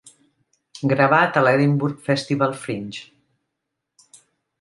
Gravat a l'Edinburgh Festival Fringe.